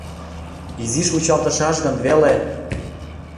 Изиш вучалтышаш гын веле?